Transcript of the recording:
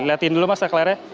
liatin dulu mas saklarnya